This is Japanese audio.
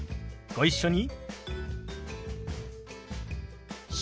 ご一緒に。